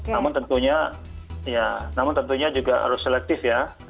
namun tentunya ya namun tentunya juga harus selektif ya